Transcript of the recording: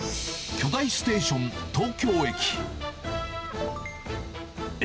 巨大ステーション、東京駅。